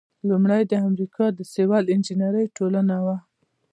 لومړۍ د امریکا د سیول انجینری ټولنه وه.